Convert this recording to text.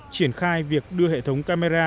triển khai việc đưa hệ thống camera